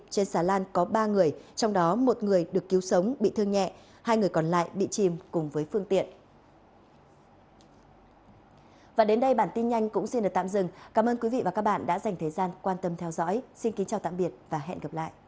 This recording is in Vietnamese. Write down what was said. trên xà lan có ba người trong đó một người được cứu sống bị thương nhẹ hai người còn lại bị chìm cùng với phương tiện